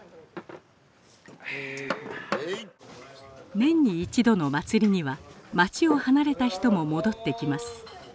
年に一度の祭りには町を離れた人も戻ってきます。